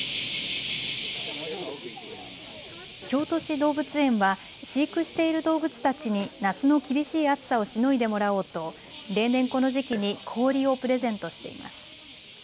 京都市動物園は飼育している動物たちに夏の厳しい暑さをしのいでもらおうと例年、この時期に氷をプレゼントしています。